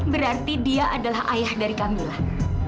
berarti dia adalah ayah dari kamilah